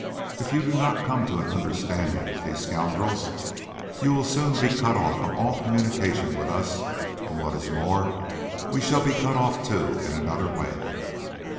"If you do not come to an understanding with these scoundrels, you will soon be cut of from all communication with us, and what is more, we shall be cut off too in another way.